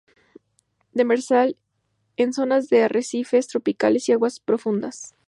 Demersal, en zonas de arrecifes tropicales y aguas profundas.